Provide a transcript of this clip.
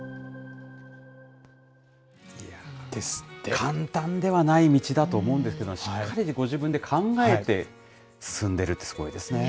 簡単ではない道だと思うんですけど、しっかりご自分で考えて進んでるって、すごいですねぇ。